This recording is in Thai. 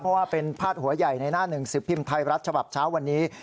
เพราะว่าเป็นพาดหัวใหญ่ในหน้าหนึ่งสิบพิมพ์ไทยรัฐฉบับเช้าวันนี้